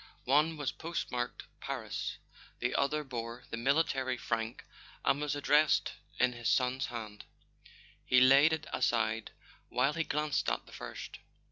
One was postmarked Paris, the other bore the military frank and w T as addressed in his son's hand: he laid it aside while he glanced at the first.